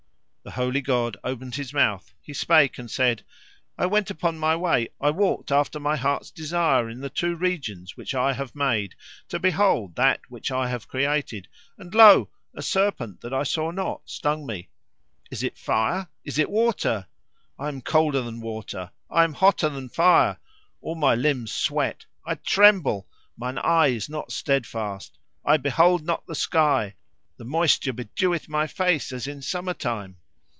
The holy god opened his mouth, he spake and said, "I went upon my way, I walked after my heart's desire in the two regions which I have made to behold that which I have created, and lo! a serpent that I saw not stung me. Is it fire? is it water? I am colder than water, I am hotter than fire, all my limbs sweat, I tremble, mine eye is not steadfast, I behold not the sky, the moisture bedeweth my face as in summer time."